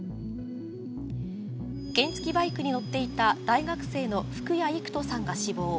原付きバイクに乗っていた大学生の福谷郁登さんが死亡。